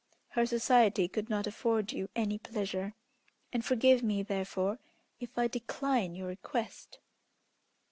Her society could not afford you any pleasure; and forgive me, therefore, if I decline your request."